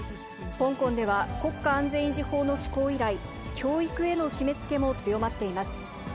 香港では国家安全維持法の施行以来、教育への締めつけも強まっています。